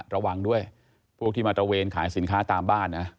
ระวังด้วยพวกที่มาตระเวนขายสินค้าตามบ้านนะ